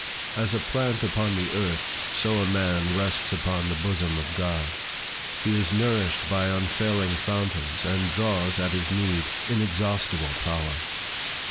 As a plant upon the earth, so a man rests upon the bosom of God; he is nourished by unfailing fountains, and draws, at his need, inexhaustible power.